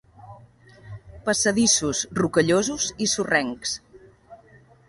Passadissos rocallosos i sorrencs.